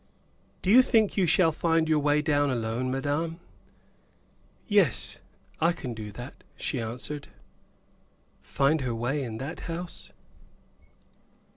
"Do you think you shall find your way down alone, madame?" "Yes, I can do that," she answered. Find her way in that house!